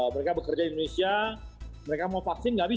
mereka bekerja di indonesia mereka mau vaksin nggak bisa